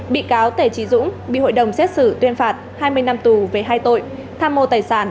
bị cáo tể trí dũng bị hội đồng xét xử tuyên phạt hai mươi năm tù về hai tội